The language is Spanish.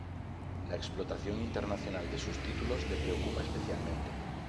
La explotación internacional de sus títulos le preocupa especialmente.